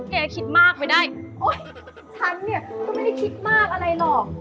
คิดมากไปได้โอ๊ยฉันเนี่ยก็ไม่ได้คิดมากอะไรหรอก